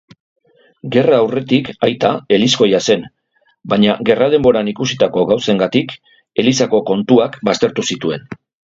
Gerra aurretik aita elizkoia zen, baina gerra denboran ikusitako gauzengatik, elizako kontuak baztertu zituen.